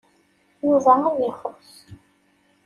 Yuba ad ixuṣ.